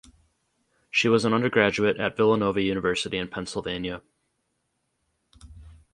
She was an undergraduate at Villanova University in Pennsylvania.